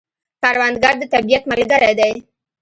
کروندګر د طبیعت ملګری دی